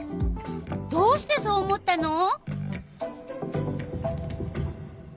どうしてそう思ったの？